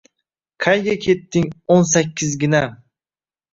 Qayga ketding o’n sakkizginam?